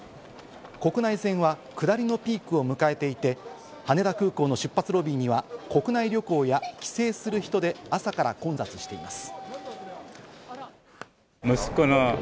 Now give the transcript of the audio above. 国内線は下りのピークを迎えていて、羽田空港の出発ロビーには国内旅行や帰省する人で朝から混雑しています。